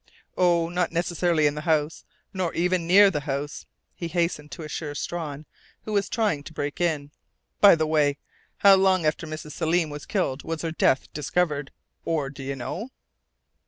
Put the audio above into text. Oh, not necessarily in the house or even near the house," he hastened to assure Strawn, who was trying to break in.... "By the way, how long after Mrs. Selim was killed was her death discovered? Or do you know?"